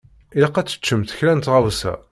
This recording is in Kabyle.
Ilaq ad teččemt kra n tɣawsa.